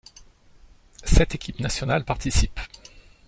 Sept équipes nationales participent.